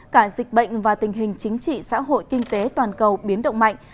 cả dịch bệnh và tình hình chính trị xã hội kinh tế toàn cầu biến động mạnh